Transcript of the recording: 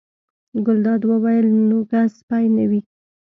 ګلداد وویل: نو که سپی نه وي.